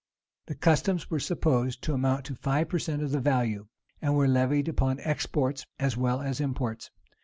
The customs were supposed to amount to five per cent. of the value, and were levied upon exports, as well as imports.